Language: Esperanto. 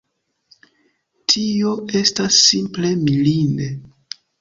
Tio estas simple mirinde!